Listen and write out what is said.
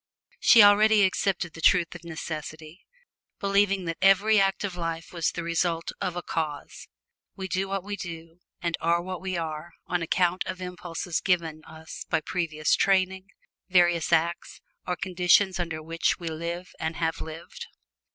She already accepted the truth of necessity, believing that every act of life was the result of a cause. We do what we do, and are what we are, on account of impulses given us by previous training, previous acts or conditions under which we live and have lived.